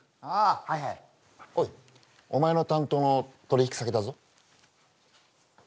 おいお前の担当の取引先だぞ。